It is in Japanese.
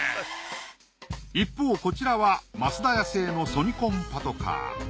一方こちらは増田屋製のソニコン・パトカー。